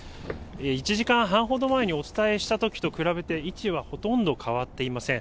１時間半ほど前にお伝えしたときと比べて、位置はほとんど変わっていません。